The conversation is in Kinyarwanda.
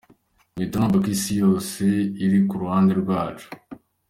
Mpita numva ko Isi yose iri ku ruhande rwacu.